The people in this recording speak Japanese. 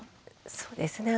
そうですね。